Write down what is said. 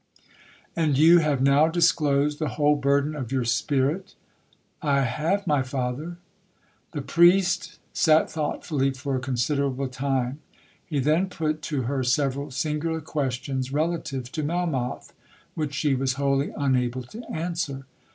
'And you have now disclosed the whole burden of your spirit?'—'I have, my father.' The priest sat thoughtfully for a considerable time. He then put to her several singular questions relative to Melmoth, which she was wholly unable to answer.